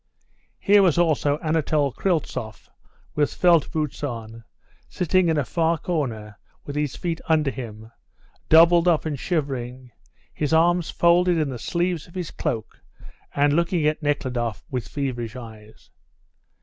Here was also Anatole Kryltzoff with felt boots on, sitting in a far corner with his feet under him, doubled up and shivering, his arms folded in the sleeves of his cloak, and looking at Nekhludoff with feverish eyes.